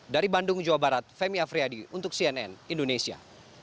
dari bandung jawa barat femi afriyadi untuk cnn indonesia